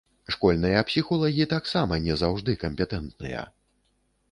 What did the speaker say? Школьныя псіхолагі таксама не заўжды кампетэнтныя.